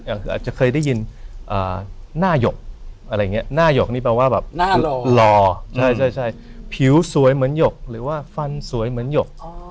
ก็คืออาจจะเคยได้ยินหน้าหยกอะไรอย่างนี้หน้าหยกนี่แปลว่าแบบหน้าหล่อใช่ผิวสวยเหมือนหยกหรือว่าฟันสวยเหมือนหยก